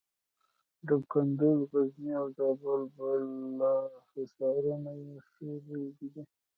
د کندز، غزني او زابل بالا حصارونه یې ښې بېلګې دي.